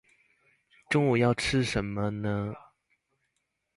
中午要吃甚麼呢？